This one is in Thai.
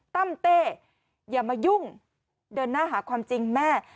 ตั้มเต้อย่ามายุ่งเดินหน้าหาความจริงแม่